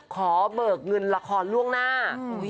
เบิกเงินละครล่วงหน้า